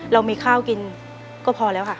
เรามีข้าวกินก็พอแล้วค่ะ